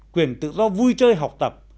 quyền tự do vui chơi học tập